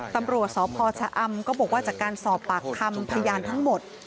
ตำรวจสพชะอำก็บอกว่าจากการสอบปากคำพยานทั้งหมด